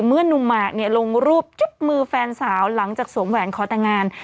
เมื่อนุมักลงรูปมือแฟนสาวหลังจากสวงแหวนขอตังงาน